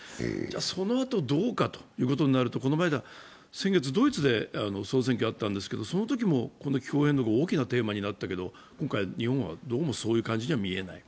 そのあと、どうかということになると、先月、ドイツで総選挙があったんですけど、そのときもこの気候変動が大きなテーマになったけど、日本はどうもそういう感じに見えない。